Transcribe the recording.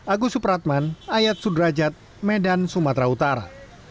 agus supratman ayat sudrajat medan sumatera utara